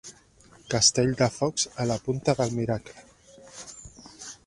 Castell de focs a la punta del Miracle.